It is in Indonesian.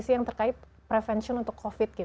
yang terkait prevention untuk covid